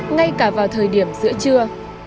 ngay cả vào thời điểm giữa trưa